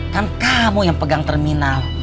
kan kamu yang pegang terminal